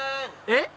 えっ？